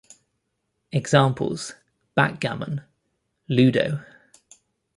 Examples: backgammon, ludo.